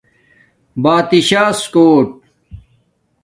بتشاس کوٹ